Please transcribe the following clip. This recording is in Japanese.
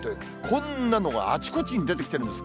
こんなのがあちこちに出てきてるんです。